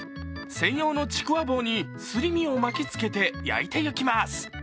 専用のちくわ棒にすり身を巻きつけて焼いていきます。